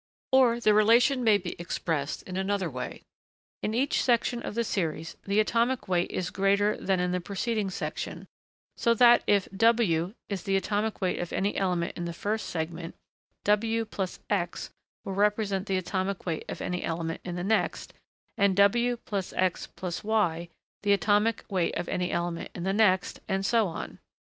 Or the relation may be expressed in another way. In each section of the series, the atomic weight is greater than in the preceding section, so that if w is the atomic weight of any element in the first segment, w+x will represent the atomic weight of any element in the next, and w+x+y the atomic weight of any element in the next, and so on.